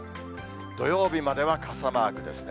土曜日までは傘マークですね。